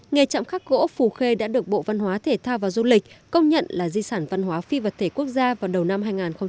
nghề trạm khắc gỗ phù khê đã được bộ văn hóa thể thao và du lịch công nhận là di sản văn hóa phi vật thể quốc gia vào đầu năm hai nghìn một mươi chín